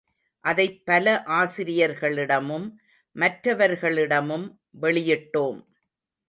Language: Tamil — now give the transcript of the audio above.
அதைப் பல ஆசிரியர்களிடமும் மற்றவர்களிடமும் வெளியிட்டோம்.